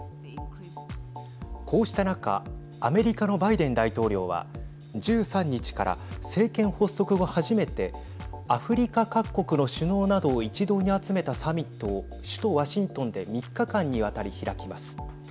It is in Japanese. こうした中アメリカのバイデン大統領は１３日から政権発足後、初めてアフリカ各国の首脳などを一堂に集めたサミットを首都ワシントンで３日間にわたり開きます。